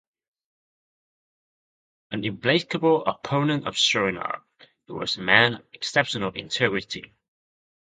An implacable opponent of showing off, he was a man of exceptional integrity.